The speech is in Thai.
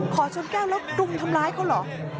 ขอชนแก้วแล้วรุมทำร้ายเขาเหรอ